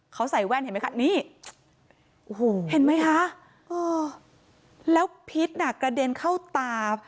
เขาใส่แว่นเห็นไหมคะนี่โอ้โหเห็นไหมคะแล้วพิษน่ะกระเด็นเข้าตา